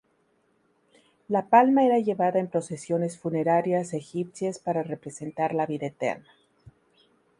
La palma era llevada en procesiones funerarias egipcias para representar la vida eterna.